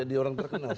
jadi orang terkenal